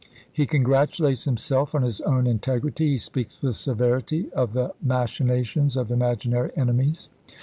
He congratulates him self on his own integrity ; he speaks with severity of the machinations of imaginary enemies.